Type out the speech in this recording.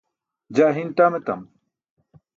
jaa hin ṭam etam